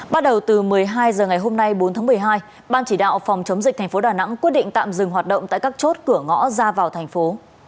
bắt đầu từ một mươi hai h ngày hôm nay bốn tháng một mươi hai ban chỉ đạo phòng chống dịch thành phố đà nẵng quyết định tạm dừng hoạt động tại các chốt cửa ngõ ra vào thành phố